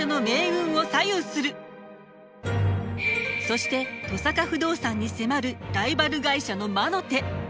そして登坂不動産に迫るライバル会社の魔の手。